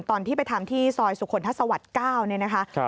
ตอนที่ไปทำที่ซอยสุคลทัศวรรค์๙เนี่ยนะคะ